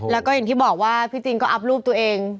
แล้วก็อย่างที่บอกว่าพี่จริงก็อัพรูปตัวเอง